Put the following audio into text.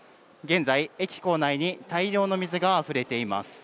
現在、駅構内に大量の水があふれています。